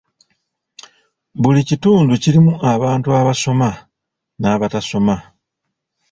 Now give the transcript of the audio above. Buli kitundu kirimu abantu abaasoma n'abataasoma.